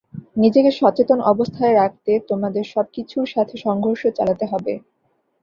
নিজেকে সচেতন অবস্থায় রাখতে তোমাদের সবকিছুর সাথে সংঘর্ষ চালাতে হবে।